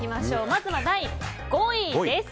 まずは第５位です。